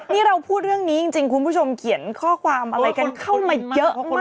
นี่เราพูดเรื่องนี้จริงคุณผู้ชมเขียนข้อความอะไรกันเข้ามาเยอะมาก